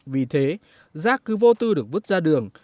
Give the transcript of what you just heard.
vì thế rác cứ vô tư được vứt ra đường